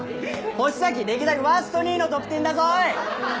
星崎歴代ワースト２位の得点だぞおい！